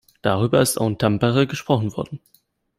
Darüber ist auch in Tampere gesprochen worden.